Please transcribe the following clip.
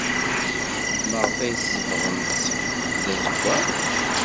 Maɣef ay tsebɣemt ssqef d azewwaɣ?